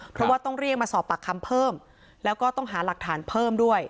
เพราะว่าต้องเรียกมาสอบปากคำเพิ่มแล้วก็ต้องหาหลักฐานเพิ่มด้วย